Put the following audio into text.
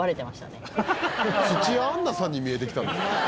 土屋アンナさんに見えてきた。